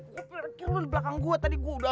gue kirain lo di belakang gue